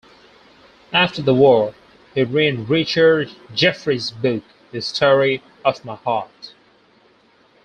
After the war, he read Richard Jefferies' book "The Story of My Heart".